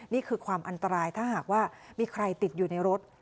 นี่คือความอันตรายถ้าหากว่ามีใครติดอยู่ในรถ